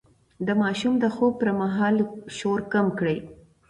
د ماشوم د خوب پر مهال شور کم کړئ.